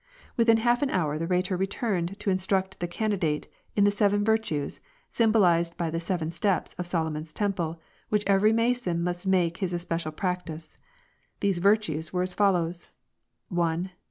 Within half an hour, the Rhetor returned to instruct the candidate in the seven virtues, symbolized by the seven steps of Solomon's temple, which every Mason must make his espe cial practice. These virtues were as follows, — 1.